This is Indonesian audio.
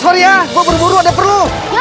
sorry ya gue buru buru ada perlu